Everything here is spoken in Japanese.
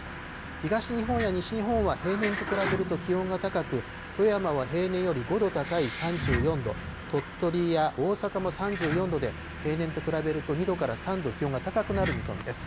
東日本や西日本は平年と比べると気温が高く、富山は平年より５度高い３４度、鳥取や大阪も３４度で、平年と比べると２度から３度気温が高くなる見込みです。